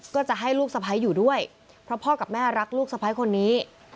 ก็จะให้ลูกสะพ้ายอยู่ด้วยเพราะพ่อกับแม่รักลูกสะพ้ายคนนี้